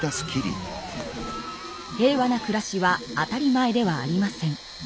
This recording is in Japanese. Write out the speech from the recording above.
平和な暮らしは当たり前ではありません。